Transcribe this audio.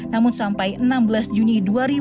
namun sampai enam belas juni dua ribu dua puluh